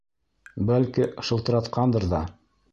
Бәлки... шылтыратҡандыр ҙа...